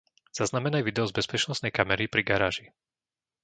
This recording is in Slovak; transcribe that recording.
Zaznamenaj video z bezpečnostnej kamery pri garáži.